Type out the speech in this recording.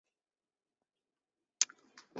巴西豹蟾鱼的图片